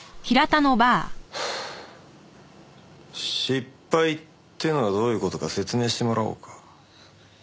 失敗ってのはどういう事か説明してもらおうか。